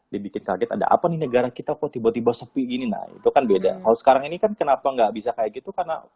dibikin kaget ada apa nih negara kita kok tiba tiba sepi gini nah itu kan beda kalau sekarang ini kan kenapa nggak bisa kayak gitu karena